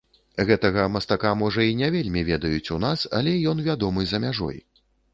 Гэтага мастака можа і не вельмі ведаюць у нас, але ён вядомы за мяжой.